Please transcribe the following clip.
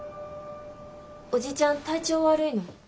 おじちゃん体調悪いの？